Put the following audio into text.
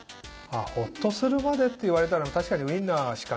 ほっとするまでって言われたら確かにウインナーしかないよね。